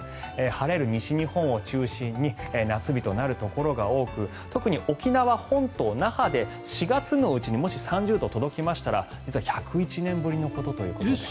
晴れる西日本を中心に夏日となるところが多く特に沖縄本島、那覇で４月のうちにもし３０度に届きましたら実は１０１年ぶりのことということで。